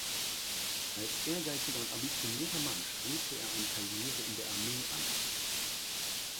Als ehrgeiziger und ambitionierter Mann strebte er eine Karriere in der Armee an.